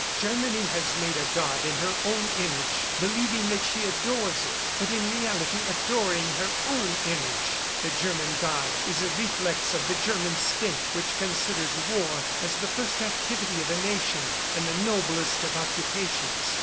Germany has made a god in her own image, believing that she adores it, but in reality adoring her own image. The German God is a reflex of the German State which considers war as the first activity of a nation and the noblest of occupations.